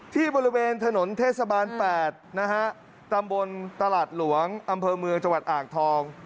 ที่บริเวณถนนเทศบาล๘นะฮะตำบลตลาดหลวงอำเภอเมืองจังหวัดอ่างทอง